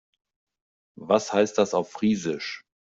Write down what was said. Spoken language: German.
Was heißt das auf Friesisch?